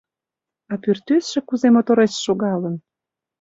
А пӱртӱсшӧ кузе моторешт шогалын!